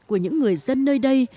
của những người dân nơi đây